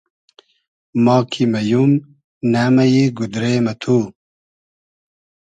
ما کی مئیوم, نئمئیی گودرې مہ تو